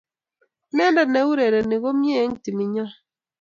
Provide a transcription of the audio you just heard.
Inendet neurereni komnyei eng timinyo